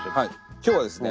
今日はですね